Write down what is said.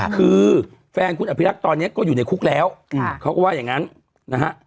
คือแฟนคุณอภิรักษ์ตอนนี้ก็อยู่ในคุกแล้วเขาก็ว่าอย่างนั้นนะฮะ